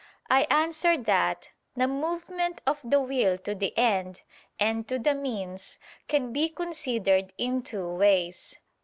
I answer that, The movement of the will to the end and to the means can be considered in two ways.